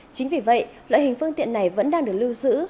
chính vì vậy loại hình phương tiện này vẫn đang được lưu giữ